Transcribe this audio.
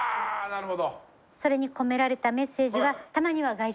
なるほど！